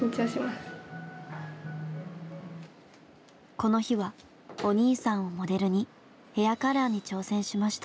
この日はお兄さんをモデルにヘアカラーに挑戦しました。